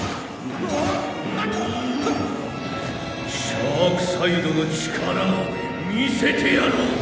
「シャークサイドの力を見せてやろう！」